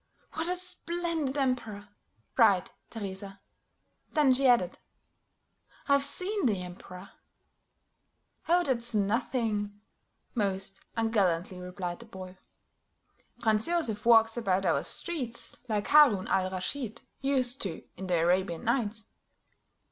"What a splendid emperor!" cried Teresa. Then she added, "I've seen the Emperor." "Oh, that's nothing," most ungallantly replied the boy. "Franz Joseph walks about our streets like Haroun al Raschid used to in the Arabian Nights.